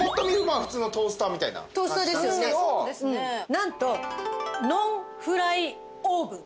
なんとノンフライオーブン。